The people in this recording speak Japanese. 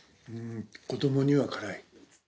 子どもには辛い。